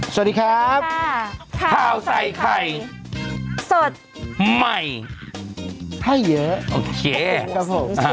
สวัสดีครับข้าวใส่ไข่สดใหม่ให้เยอะโอเคครับผม